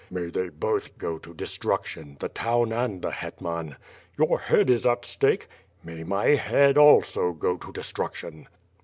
"May they both go to destruction, the town and the het man!" "Your head is at stake.'' "May my head also go to destruction."